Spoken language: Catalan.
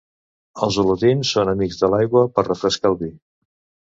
Els olotins són amics de l'aigua per refrescar el vi.